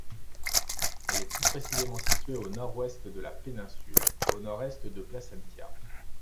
Elle est plus précisément située au nord-ouest de la péninsule, au nord-est de Placentia.